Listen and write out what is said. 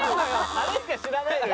あれしか知らないのよ。